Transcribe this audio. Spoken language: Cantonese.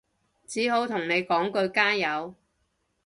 只好同你講句加油